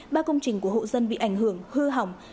ba công trình của hộ dân bị ảnh hưởng hư hỏng